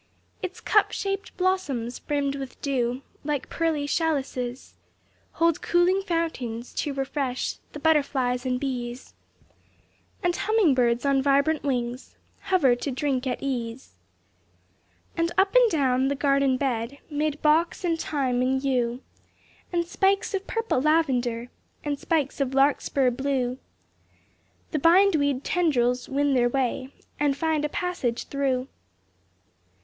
Its cup shaped blossoms, brimmed with dew, Like pearly chalices, Hold cooling fountains, to refresh The butterflies and bees; And humming birds on vibrant wings Hover, to drink at ease. And up and down the garden bed, Mid box and thyme and yew, And spikes of purple lavender, And spikes of larkspur blue, The bind weed tendrils win their way, And find a passage through.